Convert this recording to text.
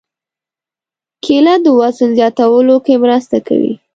کېله د وزن زیاتولو کې مرسته کوي.